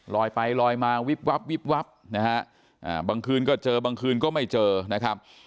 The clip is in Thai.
ลอยไปลอยมาวิบวับวิบวับนะฮะบางคืนก็เจอบางคืนก็ไม่เจอนะครับ